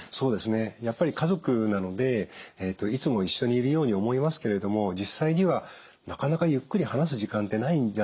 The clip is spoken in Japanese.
やっぱり家族なのでいつも一緒にいるように思いますけれども実際にはなかなかゆっくり話す時間ってないんじゃないかと思うんです。